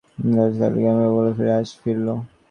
কোর্টে কাজ থাকিলে সেদিন গোপাল গ্রামে ফেরে না, আজ ফিরিল।